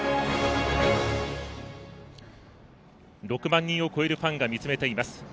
６万人を超えるファンが見つめています。